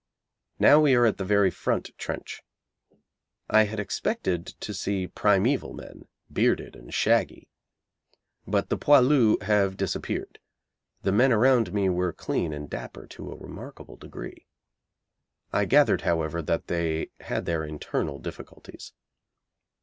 Now we are at the very front trench. I had expected to see primeval men, bearded and shaggy. But the 'Poilus' have disappeared. The men around me were clean and dapper to a remarkable degree. I gathered, however, that they had their internal difficulties.